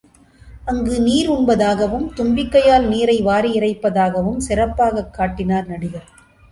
அங்கு நீர் உண்பதாகவும், தும்பிக்கையால் நீரை வாரி இறைப்பதாகவும் சிறப்பாகக் காட்டினார் நடிகர்.